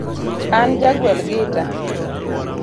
An ja gwel gita.